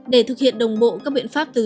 để thực hiện đồng bộ các biện pháp từ